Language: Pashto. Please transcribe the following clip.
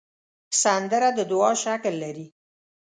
سندره د دعا شکل لري